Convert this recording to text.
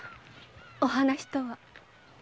お話とは？